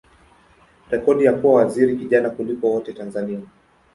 rekodi ya kuwa waziri kijana kuliko wote Tanzania.